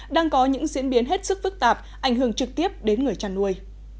đang có những diễn biến hết sức phức tạp ảnh hưởng trực tiếp đến người chăn nuôi